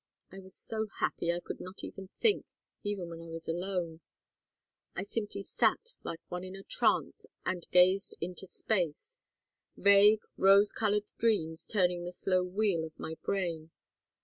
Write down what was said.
I was so happy I could not even think, even when I was alone. I simply sat like one in a trance and gazed into space, vague rose colored dreams turning the slow wheel of my brain.